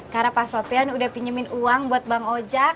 karena pak sofian udah pinjemin uang buat bang ojak